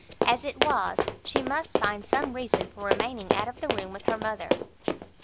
As it was, she must find some reason for remaining out of the room with her mother.